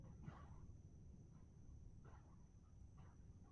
Asia cup Pakistan کو Bangladesh سے بھی شکست فائنل سے باہر